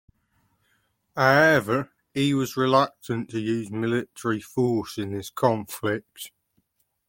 However, he was reluctant to use military force in this conflict.